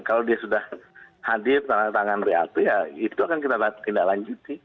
kalau dia sudah hadir tanda tangan realth ya itu akan kita tindak lanjuti